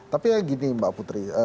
tapi gini mbak putri